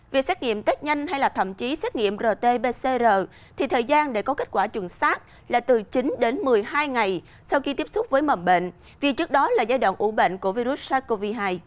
việc xét nghiệm test nhanh hay là thậm chí xét nghiệm rt pcr thì thời gian để có kết quả chuẩn xác là từ chín đến một mươi hai ngày sau khi tiếp xúc với mầm bệnh vì trước đó là giai đoạn ủ bệnh của virus sars cov hai